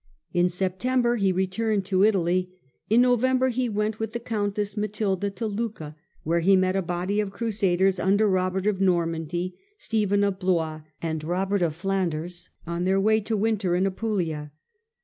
In Sep tember he returned to Italy ; in November he went with the countess Matilda to Lucca, where he met a body of crusaders under Robert of Normandy, Stephen of Blois, and Robert of Flanders on their way to winter in Apulia.